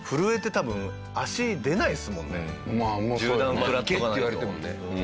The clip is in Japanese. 行けって言われてもね。